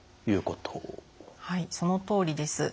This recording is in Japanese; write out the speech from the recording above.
はいそのとおりです。